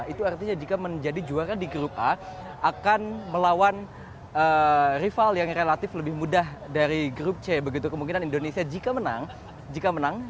itu artinya jika menjadi juara di grup a akan melawan rival yang relatif lebih mudah dari grup c begitu kemungkinan indonesia jika menang